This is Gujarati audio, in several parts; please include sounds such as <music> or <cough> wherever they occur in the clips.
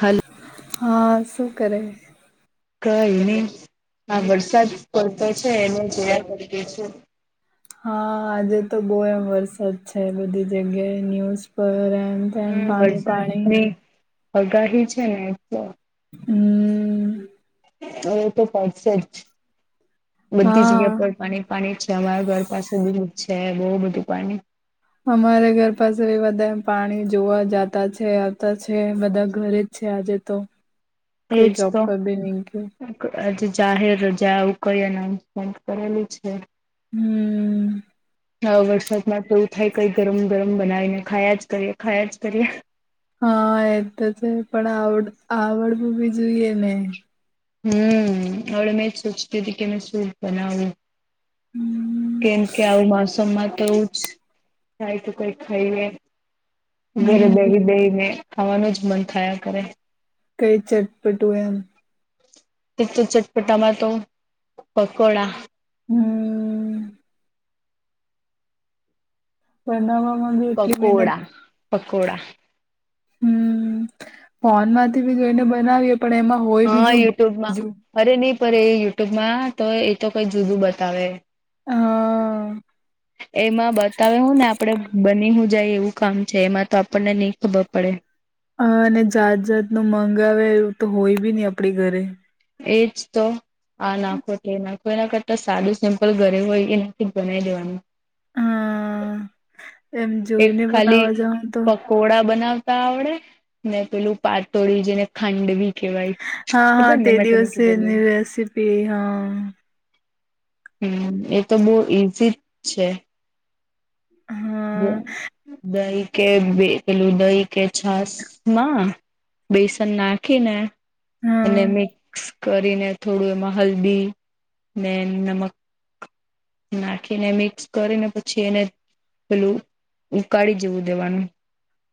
હલ હા શું કરે કઈ નઈ આ વરસાદ પડતો છે એને જોયા કરતી છે હા આજે તો બહુ એમ વરસાદ છે બધી જગ્યાએ ન્યુઝ પર એમ તેમ હમ પાણી વરસાદ પાણી ની આગાહી છે ને તો હમ હવે તો પાડસે જ બધી હા જગ્યા પર પાણી પાણી છે અમારા ઘર પાસે બધુ છે બહુ બધું પાણી અમારે ઘર પાસે બધા પાણી જોવા જતા છે આવતા છે બધા ઘરે છે આજે તો એજ કોઈ જોબ તો પર બી નહી ગયું આજે જાહેર રજા આવું કઈ એનાઉન્સમેન્ટ કરેલું છે હમ હ વરસાદ માં તો એવું થાય કઈ ગરમ ગરમ બનાવીને ખાયા જ કરીએ ખાયા જ કરીએ હા એ તો છે પણ આવડ આવડવું બી જોઈએ ને હમ હળ મેજ સોચીતી હતી કે શૂપ બનાવું હમ કેમ કે આવું મોસમમાં તો એવુજ થાય તો કોઈ ખઈએ ઘરે હમ બેહી બેહી ને ખાવાનું જ મન થયા કરે કઈ ચટપટું એમ તે તો ચટપટા માં તો પકોડા. હમ્મ. બનાવા માં બી એટલી મહેનત પકોડા પકોડા હમ્મ ફોનમાંથી બી જોઈને બનાવીએ પણ એમાં હોય હા બીજું યુટ્યુબમાં બીજું. અરે ની પર એ યુટ્યુબમાં તો એ તો કઈ જુદું બતાવે હા એમાં બતાવે હુ ને આપ આપડે બની હું જાય એવું કામ છે, એમાં તો આપણને ની ખબર પડે અ ને જાત જાત નું મગાવે એવું તો હોય બી ની આપડી ઘરે એજ તો આ નાખો તે નાખો, એના કરતા સાડું સિમ્પલ ઘરે હોય એનાથી બનાવી દેવાનુ અ, એમ જોઈને બનાવા જાવ તો કોળા બનાવતા આવડે ને પેલું પાતોળી જેને ખાંડવી કેવાય હા ખબર હા ને તે મેં તને દિવસે એની કીધેલું રેસીપી હા હમ, એ તો બો ઈઝી જ છે. દ હા દહી કે બે પેલું દહી કે છાસ મા બેસન નાખીને અને હા મિક્સ કરીને થોડું એમાં હલ્દી ને નમક નાખીને મિક્સ કરીને પછી એને પેલું ઉકાળી જવું દેવાનુ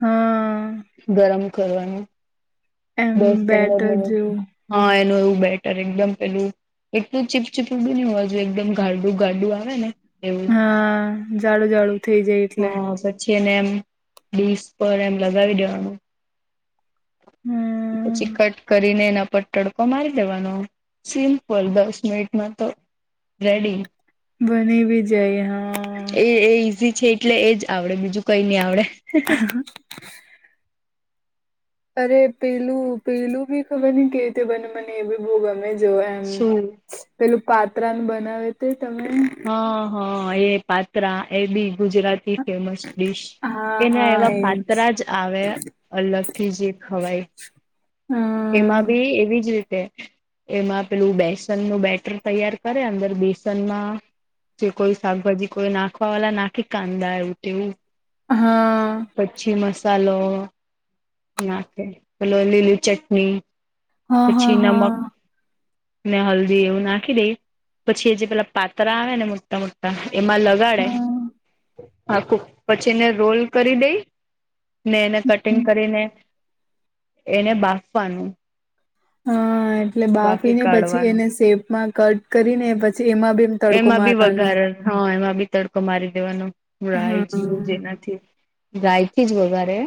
હા ગરમ કરવાનુ એમ દસ પંદર બેટર મિનિટ, જેવું હા એનું એવું બેટર એકદમ પેલ એકલું ચીપચીપ બી ની હોવા જોઈએ, એકદમ ગાડું ગાડું આવે ને એવું હા જાડું જાડું થઇ જાય એટલે છને એમ ડીસ પર એમ લગાવી દેવાનુ હમ્મ ઈ પછી કટ કરીને એના પર તડકો મારી દેવાનો સિમ્પલ દસ મિનિટમાં તો રેડી બની બી જાય હા એ એ ઈઝી છે, એટલે એજ આવડે બીજું કઈ ની આવડે હ અ અરે પેલું પેલું બી ખબર ની કેવી રીતે બને મને એ બી બો ગમે જોઆ એમ શું પેલું પાત્રાનુ બનાવે તે તમે અ હ એ પાત્રા એ બી ગુજરાતી ફેમસ ડીશ હા એના હા એવા એજ પાત્ર જ આવે અલગથી જે ખવાય હમ એમાં બી એવીજ રીતે એમાં પેલું બેસન નું બેટર તૈયાર કરે અંદર બેસનમા જે કોઈ શાકભાજી કોઈ નાખવા વાલા નાખી કાંદા એવું તેવુ હ. પચ્છી મસાલો નાખે, પેલો લીલી ચટણી હા હા પછી હા નમક ને હલ્દી એવું નાખી દેય પછી, એ જે પેલા પાતરા આવે ને મોટા મો કા એમાં લગાડે હા આખુ પછી એને રોલ કરી દેય ને એને કટિંગ કરીને એને બાફવાનુ હા એટલે બાફી ને પછી એને શેપમાં કટ કરીને પછી એમાં બી તડકો એમાં બી મારવાનો વઘારે, હા એમાં બી તડકો મારી દેવાનો હા રાય જીરૂં જેનાથી, ગાયથી જ વગારે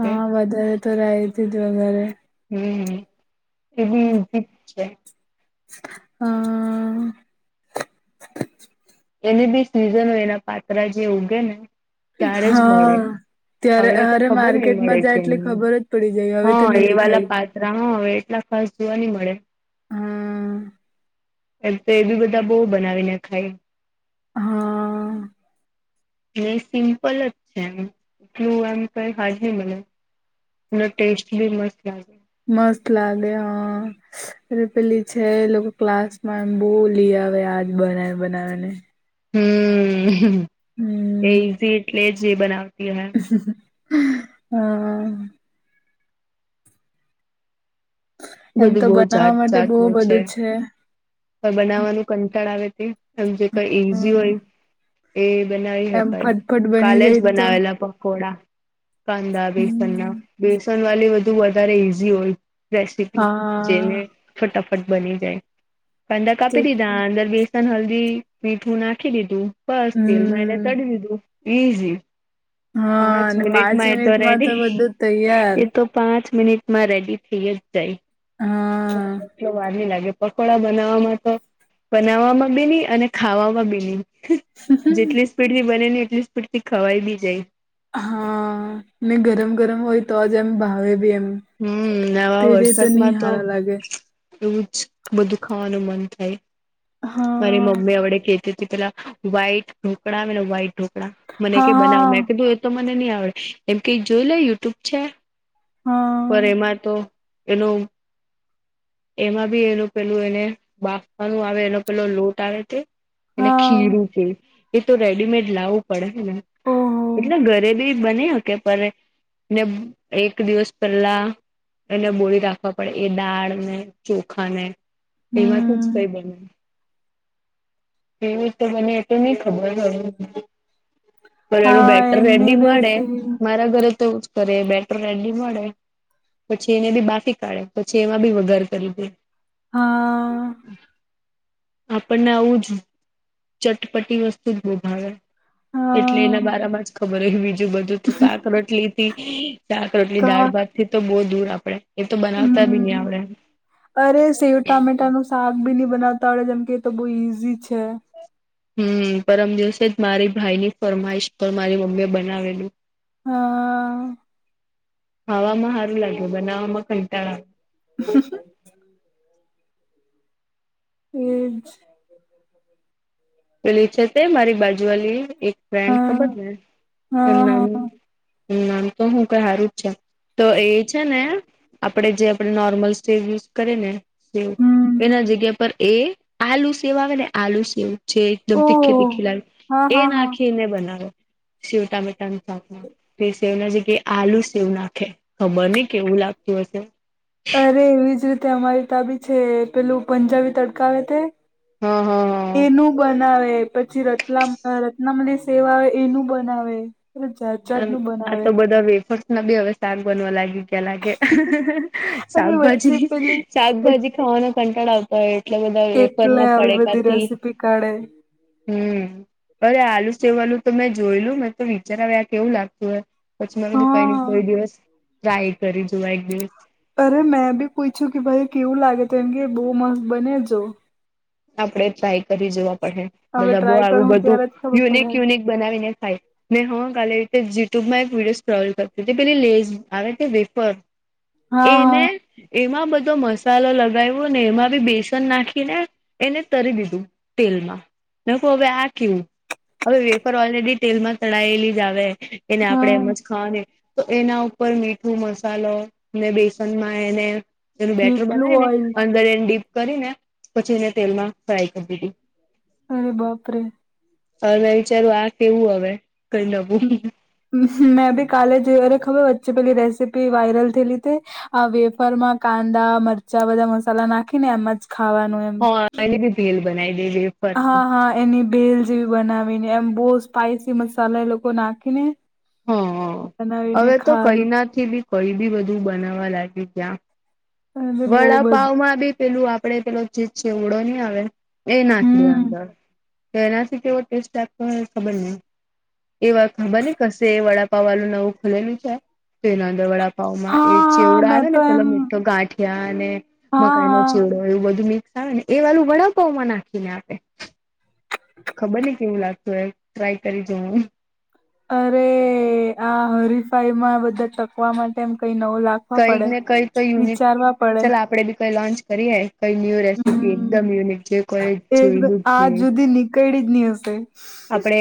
હા વધારે તો રાયથી જ વઘારે હમ એ બી છે. હા એને બી સિઝન હો એના પાત્રા જે ઉગે ને ત્યારે જ હા મળે ત્યારે હવડે તો અરે ખબર નઈ મળે માર્કેટમાં જાય છે, એટલે ખબર જ પડી જાય એ હવે હા તો નહી એ દેખાય વાલા પા હવે એટલા ખાસ જોવા નહી મળે હા એમ તો એ બી બધા બહુ બનાવીને ખાય. હા ને સિમ્પલ જ છે, એમ એટલું એમ કઈ હાજરી મળને પુણ ટેસ્ટ ભી મસ્ત લાગે. મસ્ત લાગે હા અરે પેલી છે લોકો ક્લાસ માં એ બહુ લઈ આવે આજ બનાવે બનાવે ને. હમ એ હમ ઈઝી એટલે જ એ બનાવતી હોય. હા એમ તો બધું બહુ જાત બનાવવા માટે બહુ જાતનું બધું છે. બનાવવાનું કંટાળ આવે તજ કઈ ઈઝી હમ હોય એ બનાવી એમ હકાય ફટફટ બની કાલે જાય જ તો બનાવેલા પકોડા. કાંદા બેસન ના હમ બેસન વાળલી બધું વધારે ઈઝી હોય રેસીપી જેને હા ફટાફટ બની જાય. કાંદા તો કાપી દીધા અંદર બેસન હલ્દી મીઠું નાખી દીધું. બસ તેલ માં એને હમ તડી દીધું. હા પાંચ અને મિનિટ પાંચ માં એ તો મિનિટમાં રેડી બધું તૈયાર એતો પાંચ મિનિટ માં રેડી થઈ જ જાય. હા એટલો વારની લાગે પકોડા બનાવવામાં તો બનાવવામાં બી નહી અને ખાવામાં બી નહિ. જેટલી સ્પીડ થી બને ને એટલી સ્પીડ થી ખવાય બી જાય. હા ને ગરમ ગરમ હોય તો જ એમ ભાવે ભી એમ. હમ નવા થઈ જાય ની વરસાદમાં તો હારા લાગે એવું જ બધું ખાવાનું મન થાય મારી હા મમ્મી આપડે કે તેથી પેલા વ્હાઈટ ઢોકળા વ્હાઈટ ઢોકળા મને કે બનાવ મેં હા કીધું તો મને નહી આવડે એમ કઈ જોઈ લે યુટ્યુબ છે. હા. પણ એમાં તો એનો એમાં બી એનું પેલું એને બાફવાનું આવે એનો પેલો લોટ આવે તે એ હા ખીરું છે એ તો રેડીમેડ લાવવું પડે ને. ઓહો એટલે ઘરે બી બની શકે પણ ને એક દિવસ પેલા એને બોળી રાખવા પડે એ દાળ ને ચોખા ને એમાંથી જ કઈ હમ બને એવું તો મને એ તો નઈ ખબર હ પણ એનું હા બેટર એમની રેડી મળે રેસીપી મારા ઘરે તો કર એ બેટર રેડી મળે પછી એને બી બાફી કાઢે પછી એમાં બી વગાર કરી દે હાઆ. આપણને આવું જ ચટપટી વસ્તુ જ બહું ભાવે. એટલે એના હા બારામાં જ ખબર હોય બીજું બધું શાક રોટલી થી શાક રોટલી કા દાળ ભાત તે તો બહુ દૂર આપડે એ તો બનાવતા બી નહીં હમ આવડે. અરે સેવ ટામેટા નું શાક ભી નહી બનાવતા આવડે જેમ કે તો બહુ ઈઝી છે. હમ પરમ દિવસે જ મારી ભાઈ ની ફરમાઈશ પર મારી મમ્મી એ બનાવેલું. હા. ખાવામાં સારું લાગ્યું બનાવવામાં કંટાળા <unintelligible> એ જ. પેલી છે તે મારી બાજુવાલી એક ફ્રેન્ડ હા ખબર ને એ હા નામ હા નામ તો હું ક સારું જ છે તો એ છે ને. આપણે જે આપણે નોર્મલ સેવ યુઝ કરે ને સેવ હમ એના જગ્યા પર એ. આલુ સેવ આવે ને આલુ સેવ છે એકદમ તીખે ઓહ તીખી લાલુ હા એ હા હા નાખી. ખી બનાવે શિવ ટામેટા શાક તેશ. સવના જે ક આલુ સેવ નાખે ખબર ને કેવું લાગતું હશે. અરે એવીજ રીતે અમારી તાબી છે પેલું પંજાબી તડકાવ તે. હા હા. એનું બનાવે પછી રત્લામ રત્નામલી સેવા આવે એનું બનાવે. જાત આમ જાતનું આ બનાવે તો બધા વેફ ના બેી હવે શાક બનવા લાગી ગયા લાગે અને વચ્ચે શાકભાજી પેલી શાકભાજી ખાવાના કંટાળ આવ તો એટલા બધા વેફર એટલે ના આવી પડે બધી કાથી રેસીપી કાઢે હમ અરે આલુ સેવાનુંું તો મેં જોયલું મે તો વિચારવા આ કેવું લાગતું હો પછી મા દીપાઈ હા કોઈ દિવસ રાાય કરી જોવા એક દિવસ અરે મેં બી પૂછ્યું કે ભાઈ કેવું લાગે તો એમ કે બહુ મસ્ત બને જો આપણે ટ્રાય કરી જોવા પડે હવે બધા બહ ટ્રાય આવું કરું બધું ત્યારે જ ખબર પડે યુનિક યુનિક બનાવીને ખાય મેં હા કાલે રીતે યુટ્યુબમાં એક વિડયો્ટોલ કરતી તે પેલી લેઝ આવે વેપર હા હા એને એમાં બધો મસાલો લગાવ્યો ને એમાં બી બેસન નાખીને એને તરી દીધું તેલમાં નાખ હવે આ કેવું હવે વેપર ઓલરેડી તેલમાં તળાયેલી જ આવે એને આપણેે હા એમ જ ખાવાની તો એના ઉપર ઉપર મીઠું મસાલો ને બેસનમાં એને એનું બેટર કેટલું બનાવીને ઓઈલ અંદર એને ડીપ કરીને પછી એને તેલમાં ફ્રાય કરી દીધી અરે બાપરે હવે મેં વિચારું આ કેવું હવે કઈ નવું મેં ભી કાલેરે ખબર વચ્ચે પેલી રેસીિપી વાયરલ થેલી ત આ વેફર માં કાંદા મરચા બધા મસાલા નાખીને એમ જ ખાવાનું એમ હ એલી બી પલ બનાઈ દીધ હા હા એની ભેલ જેવી બનાવીને એમ બહુ સ્પાઈસી મસાલા એ લોકો નાખીને હ હવે બનાવીને તો ખાય કઈનાથી બી કોઈ બી બધું બનાવવા લાગ્યું ત્યાં અરે બહુ બધું વડાપાવ માં બી પેલું આપડે પેલો જે છે ઓડો નહી આવે એ નાખી દે હમ અંદર તો એનાથી કેવો ટેસ્ટ આપતો ખબર નહી એ વા ખબર ને કશે વડાપા વાળું નવું ખુલેલું છે તો એના અંદર વડા ભાવમાં એ હા ચેવડો આવે મેં ને તો પેલો એમ મીઠો ગાંઠિયા અને હા મકાઈ નો હા ચેવડો એું બધું મિક્સ આવે ને એ વાલું વડાપઉ માં નાખીને આપે ખબર નને કેવું લાગતું એ ટ્રાય કરી જોવું અરે આ હરીફાઈમાં બધા ચકવા માટે એમ કઈ નવ લાખ કઈ ને કઈ તો યુનિ ચાલ આપડે બી કઈ લોન્ચ કરીએ કઈ ન્યુ રેસીપી હમ એકદમ યુનિક જે કોઈ જોયલું જ છે કઈડી જ નનીસ આપડે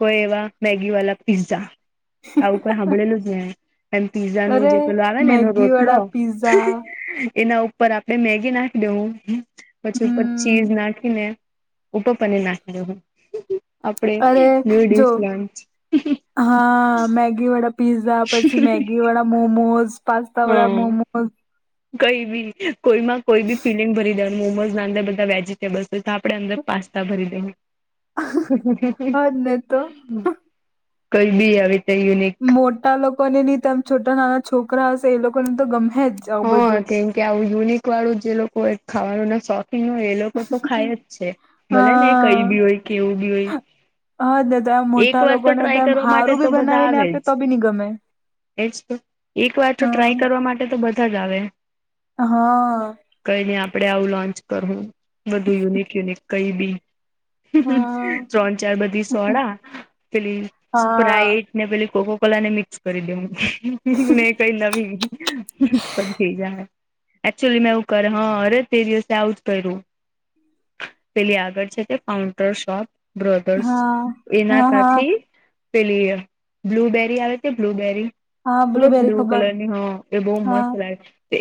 કોઈ એવા મેગી વાળ પીઝા આવું કોઈ સાંભળેલું જ ને એમ પીઝા ન અરે જે પેલું આવે ને એનો મેગી રોટલો વાળા પીઝા એના ઉપર ઉપ આપડણે મેગી નાખી દેવું પછી ઉપર હમ ચીઝ નાખીને ઉપપને નાખું આપડે અરે જો ન્યુડીશ લોન્ચ હા મેગી વાળા પીઝા પછી મેગી વાળા મોમોઝ પાસ્તા વાળા મોમો હા હ કઈ બી કોઈમાં કોઈ બી ફિલિંગ ભરી દે મોમો નાે બધા વેજ બસ તો આપડણે અંદર પાસ્તા ભરી દઈ હા જ ને તો કઈ બી આવે ત મોટા લોકોને નહી તોમ છોટા નાના છોકરા હશે એ લોકોને તો ગમે જ જાાવ બધું હા કેમ કે આવું યુનિક વાળું જે લોકો ખાવાનું ના શોખ ન એ લોકો તો ખાય જ છે ભલે ને એ કઈ બી હોય કેવું બી હોય. હાજને તો એમ એક મોટા વાર લોકોને તો ટ્રાય એમ કરવા માટે હારું તો બી બધા બનાવીને આવે આપે તો જ બી નહી ગમે. એજ તો એક વાર તો હા ટ્રાય કરવા માટે તો બધા જ આવે. હા! કઈ નને આપડે આવું લોન્ચ કરવું બધું યુનિક યુનિક કઈ બી. હા ત્રણ ચાર બધી સોડા. પેલી હા સ્પ્રાઈટ ને પેલી કોકોકોલા ને મિક્સ કરી દે. કઈ નવી ચીજ. એકચુઅલી મેં એવું કરે હા અરે તે દિવસે આવું જ કર્યું. પેલી આગળ છે તે કાઉન્ટર શોપ બ્રધર્સ. હા એના હા હા થાચી પેલી બ્લુબેરી આવે કે બ્લુબેરી. હા પેલો બ્લુબેરી બ્લુ ખબર કલરની હા એ બહુ હા મસ્ત લાગ.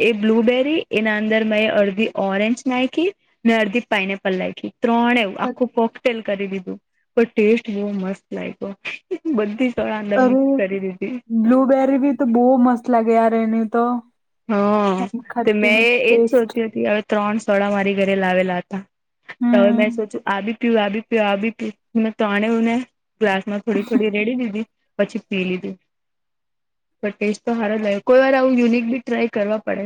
એ બ્લુબેરી એના અંદર મેં અડધી ઓરેન્જ નાયખી ને અડધી પાઇનએપલ નાયખી. ત્રણે એવું આખું પોકટેલ કરી દીધું. પણ ટેસ્ટ બહુ મસ્ત લાય્ગો બધી સળ અંદર અરે મિક્સ કરી દીધી. બ્લુબેરી ભી તો બહુ મસ્ત લાગે યાર એની તો. હા એમ તે ખટ્ટી મેં એ મીઠી એજ ટેસ્ટ સોતી હતીહવે. ત્રણ સોડા મારી ઘરે લાવેલા હતા હવે હમ મેં સોચું આ બી પીવા બી પીવા બી પી મે ત્રણેઉને ગ્લાસ માં થોડી થોડી રેડી દીધી. પછી પી લીધું પણ ટેસ્ટ તો સાર લાગ્યો કોઈ વાર આવું યુનિક બી ટ્રાય કરવા પડે.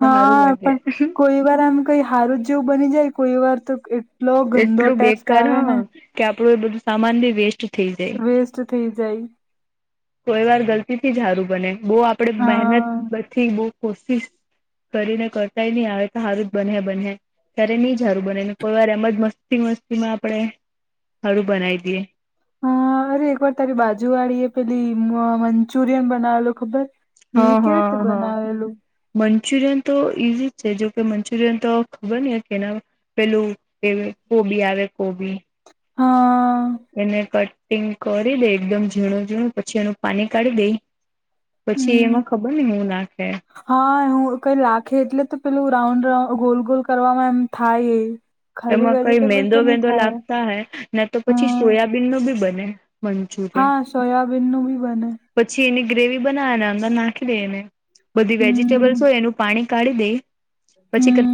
તો સારું હા લાગે પણ કોઈ વાર આમ કઈ હારું જ જેવું બની જાય કોઈ વાર તો એક એટલો ગંદો એટલું ટેસ્ટ બેકાર આવે ને. હા કે આપડું એ બધું સામાન બી વેસ્ટ થઈ જાય વેસ્ટ થઈ જાય. કોઈ વાર ગલતી થી જ સારું બને બહ આપડે મહેનત હા બથી બહુ કોશિશ કરીને કરતાય નહી આવે તો હારુ જ બનહે બનહે ત્યારે ની જ હારું બને ને કોઈ વાર આપ તેમજ મસ્તી મસ્તી માં આપડે હળું બનાવી દઈએ. હ અરે એક વાર તારી બાજુ વાળીએ પેલી મ મંચુરિયન બનાવેલો ખબર. એ હા કેવી રીતે હા હા બનાવેલું? મંચુરિયન તો ઈઝી જ છે જોકે મંચુરિયન તો ખબર નહી કેના. પેલું એવ કોબી આવે કોબી. હા! એને કટિંગ કરી દે એકદમ ઝીણું ઝીણું પછી એનું પાની કાઢી દે. પછી હમ એમાં ખબર નહી હું નાખે? હા હું કઈ લાખે એટલે તો પેલું રાઉન્ડ રાઉન ગોલ ગોલ કરવામાં એમ થાય એ. ખાલી એમાં કઈ વેજીિટેબલ મેંદો તો નહી વેંદો થાય લાગતા અ હે. ના તો પછી હા સોયાબીન નો બી બને મંચુરિયન. હા સોયાબીનનું બી બને પછી એની ગ્રેવી બનાવેને અંદર નાખી દે એને. બધી હમ વેજીિટેબલ્સ હોય એનું પાણી કાઢી દે પછી કદ હમ